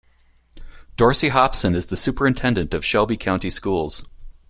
Dorsey Hopson is the Superintendent of Shelby County Schools.